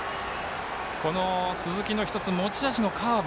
この鈴木の持ち味のカーブ。